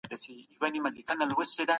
هغه لسى ورکوي.